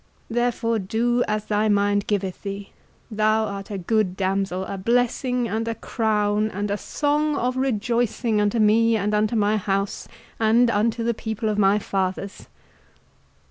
Therefore, do as thy mind giveth thee—thou art a good damsel, a blessing, and a crown, and a song of rejoicing unto me and unto my house, and unto the people of my fathers."